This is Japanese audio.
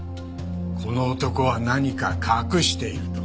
この男は何か隠していると。